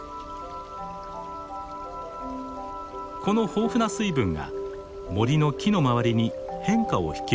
この豊富な水分が森の木の周りに変化を引き起こします。